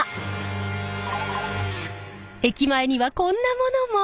駅前にはこんなものも。